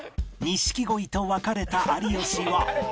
錦鯉と分かれた有吉は